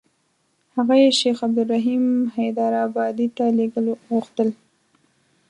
هغه یې شیخ عبدالرحیم حیدارآبادي ته لېږل غوښتل.